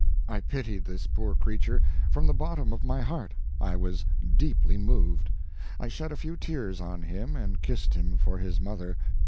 I pitied this poor creature from the bottom of my heart. I was deeply moved. I shed a few tears on him, and kissed him for his mother.